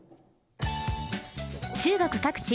中国各地